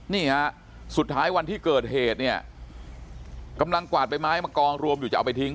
นี่ฮะสุดท้ายวันที่เกิดเหตุเนี่ยกำลังกวาดใบไม้มากองรวมอยู่จะเอาไปทิ้ง